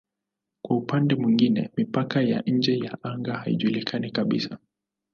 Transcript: Kwa upande mwingine mipaka ya nje ya anga haijulikani kabisa.